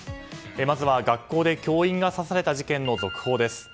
まずは学校で教員が刺された事件の続報です。